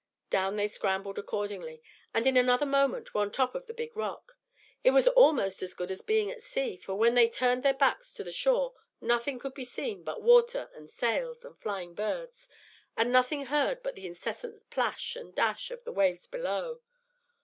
Down they scrambled accordingly, and in another moment were on top of the big rock. It was almost as good as being at sea; for when they turned their backs to the shore nothing could be seen but water and sails and flying birds, and nothing heard but the incessant plash and dash of the waves below.